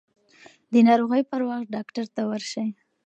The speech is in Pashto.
د ناروغۍ پر وخت ډاکټر ته ورشئ.